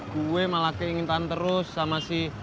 gue malah keingin tahan terus sama si